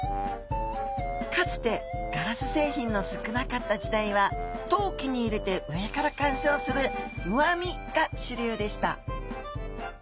かつてガラス製品の少なかった時代は陶器に入れて上から観賞する上見が主流でした。